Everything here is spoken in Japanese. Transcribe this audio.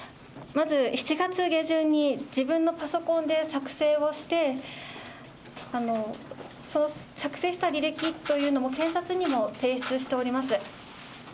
まず、７月下旬に自分のパソコンで作成をして、作成した履歴というのも警察にも提出しております。